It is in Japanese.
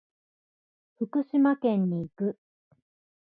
福島県に行く。